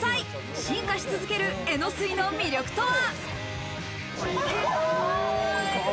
進化し続ける、えのすいの魅力とは？